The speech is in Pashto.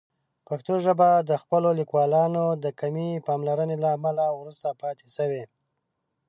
پښتو ژبه د خپلو لیکوالانو د کمې پاملرنې له امله وروسته پاتې شوې.